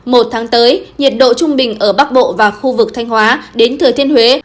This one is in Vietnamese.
một tháng tới nhiệt độ trung bình ở bắc bộ và khu vực thanh hóa đến thừa thiên huế